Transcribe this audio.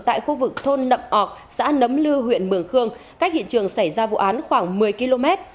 tại khu vực thôn nậm ọc xã nấm lư huyện mường khương cách hiện trường xảy ra vụ án khoảng một mươi km